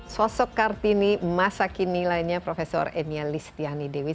sosok kartini masa kini lainnya prof enia listiani dewi